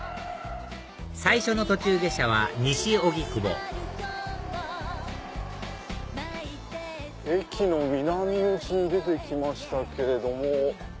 最初の途中下車は西荻窪駅の南口に出てきましたけれども。